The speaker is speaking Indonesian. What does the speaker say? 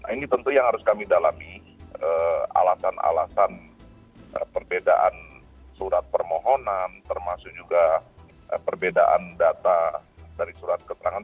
ini tentu yang harus kami dalami alasan alasan perbedaan surat permohonan termasuk juga perbedaan data dari surat keterangan